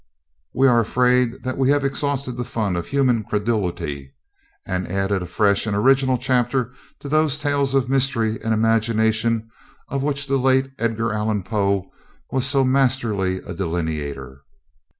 We are afraid that we shall have exhausted the fund of human credulity, and added a fresh and original chapter to those tales of mystery and imagination of which the late Edgar Allan Poe was so masterly a delineator.